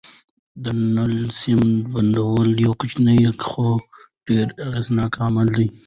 د نل سم بندول یو کوچنی خو ډېر اغېزناک عمل دی.